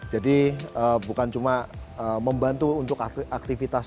jadi bukan cuma membantu untuk aktivitas